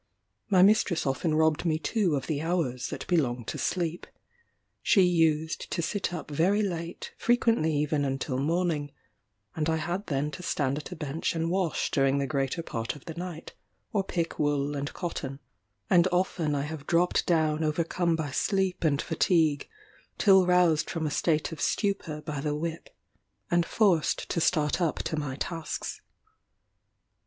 My mistress often robbed me too of the hours that belong to sleep. She used to sit up very late, frequently even until morning; and I had then to stand at a bench and wash during the greater part of the night, or pick wool and cotton; and often I have dropped down overcome by sleep and fatigue, till roused from a state of stupor by the whip, and forced to start up to my tasks.